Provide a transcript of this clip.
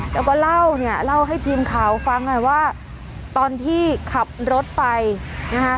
แล้วก็เล่าเนี่ยเล่าให้ทีมข่าวฟังหน่อยว่าตอนที่ขับรถไปนะคะ